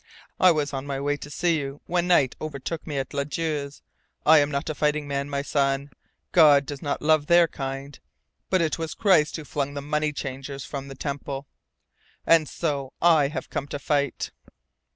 I was on my way to see you when night overtook me at Ladue's. I am not a fighting man, my son. God does not love their kind. But it was Christ who flung the money changers from the temple and so I have come to fight."